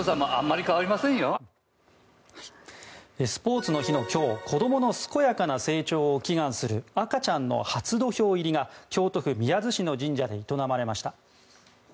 スポーツの日の今日子供の健やかな成長を祈願する赤ちゃん初土俵入が京都府宮津市の神社で営まれました。